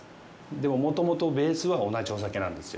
でも、もともとベースは同じお酒なんですよ。